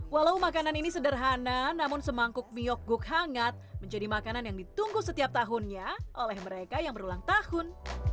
walau makanan ini sederhana namun semangkuk myokguk hangat menjadi makanan yang ditunggu setiap tahunnya oleh mereka yang berulang tahun